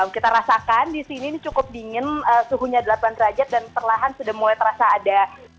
kita rasakan di sini ini cukup dingin suhunya delapan derajat dan perlahan sudah mulai terasa ada